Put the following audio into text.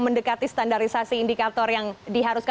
lebih lebih j plk kalau misal itu di sisi gitu ya